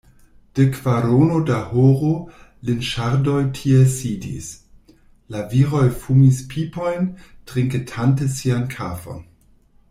De kvarono da horo, Linŝardoj tie sidis: la viroj fumis pipojn, trinketante sian kafon.